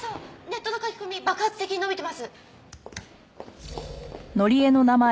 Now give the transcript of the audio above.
ネットの書き込み爆発的に伸びてます。